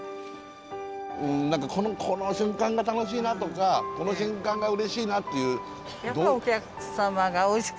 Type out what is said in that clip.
何かこの瞬間が楽しいなとかこの瞬間がうれしいなっていう？